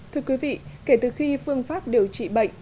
thưa quý vị kể từ khi phương pháp điều trị bệnh